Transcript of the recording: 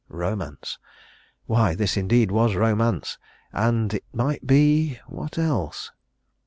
Romance! Why, this indeed was romance; and it might be what else?